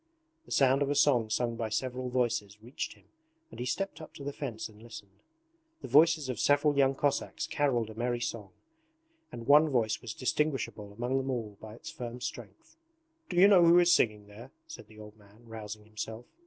The sound of a song sung by several voices reached him and he stepped up to the fence and listened. The voices of several young Cossacks carolled a merry song, and one voice was distinguishable among them all by its firm strength. 'Do you know who is singing there?' said the old man, rousing himself.